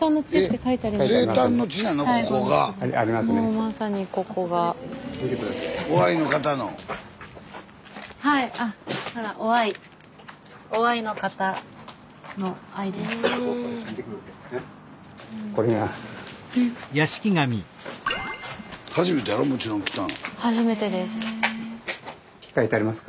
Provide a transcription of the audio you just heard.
書いてあります。